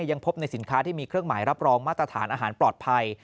ยังพบในสินค้าที่มีเครื่องหมายรับรองมาตรฐานอาหารปลอดภัย